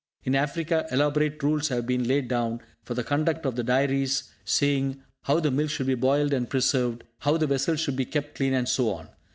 In Africa elaborate rules have been laid down for the conduct of the dairies, saying how the milk should be boiled and preserved, how the vessels should be kept clean, and so on.